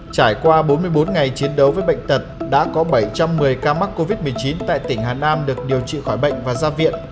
trải qua bốn mươi bốn ngày chiến đấu với bệnh tật đã có bảy trăm một mươi ca mắc covid một mươi chín tại tỉnh hà nam được điều trị khỏi bệnh và ra viện